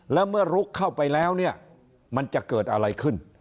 แล้วเมื่อลุกเข้าไปแล้วเนี่ยมันจะเกิดอะไรขึ้น